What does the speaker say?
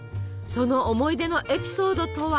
その思い出のエピソードとは？